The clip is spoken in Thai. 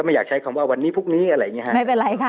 อยากใช้คำว่าวันนี้พรุ่งนี้อะไรอย่างเงี้ฮะไม่เป็นไรค่ะ